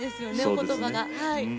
お言葉が。